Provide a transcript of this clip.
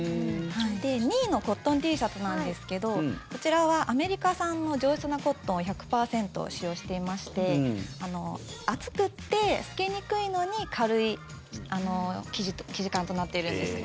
２位のコットンＴシャツなんですけどこちらはアメリカ産の上質なコットンを１００％使用していまして厚くって透けにくいのに軽い生地感となっているんです。